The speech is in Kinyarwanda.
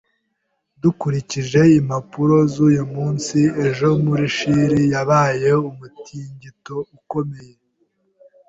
Dukurikije impapuro z'uyu munsi, ejo muri Chili habaye umutingito ukomeye